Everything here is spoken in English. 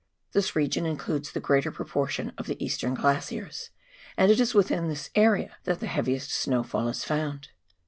This region includes the greater proportion of the eastern glaciers, and it is within this area that the heaviest snowfall is found.